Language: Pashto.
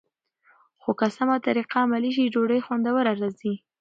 خو که سمه طریقه عملي شي، ډوډۍ خوندوره راځي.